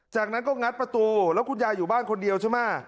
จากนั้นก็งัดประตูแล้วคุณยายอยู่บ้านคนเดียวใช่ไหม